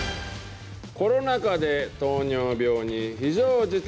コロナ禍で糖尿病に非常事態。